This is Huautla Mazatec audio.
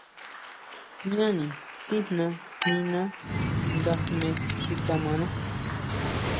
Jñáni tijna niná nga jme xi kjimaná.